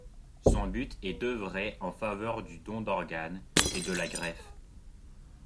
Son but est d'œuvrer en faveur du don d'organe et de la greffe.